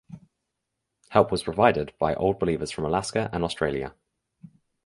Help was provided by Old Believers from Alaska and Australia.